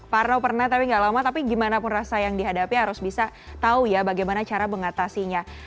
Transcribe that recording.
parno pernah tapi gak lama tapi gimana pun rasa yang dihadapi harus bisa tahu ya bagaimana cara mengatasinya